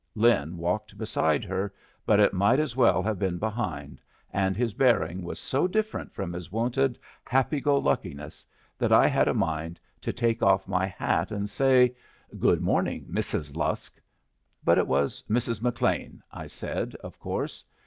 Lin walked beside her, but it might as well have been behind, and his bearing was so different from his wonted happy go luckiness that I had a mind to take off my hat and say, "Good morning, Mrs. Lusk." But it was "Mrs. McLean" I said, of course.